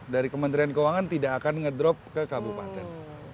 dari kementerian keuangan tidak akan ngedrop ke kabupaten